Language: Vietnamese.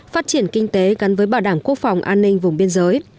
phát triển kinh tế gắn với bảo đảm quốc phòng an ninh vùng biên giới